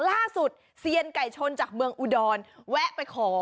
เซียนไก่ชนจากเมืองอุดรแวะไปขอ